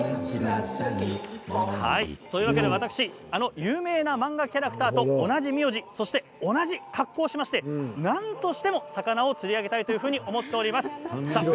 私あの有名な漫画キャラクターと同じ名字そして同じ格好をしましてなんとか魚をつり上げたいと思っております。